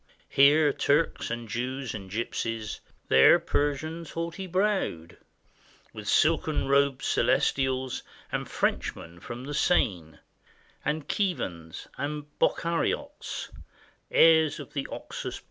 Here Turks and Jews and Gypsies, There Persians haughty browed; With silken robed Celestials, And Frenchmen from the Seine, And KJiivans and Bokhariotes, — Heirs of the Oxus plain.